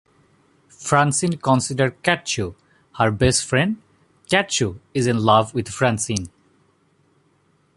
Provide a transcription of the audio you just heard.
Francine considers Katchoo her best friend; Katchoo is in love with Francine.